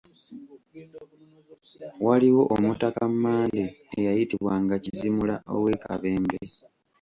Waliwo Omutaka Mmande eyayitibwanga Kizimula ow'e Kabembe.